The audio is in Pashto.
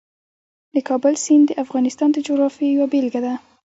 د کابل سیند د افغانستان د جغرافیې یوه بېلګه ده.